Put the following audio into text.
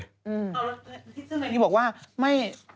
เอาละนี่บอกว่า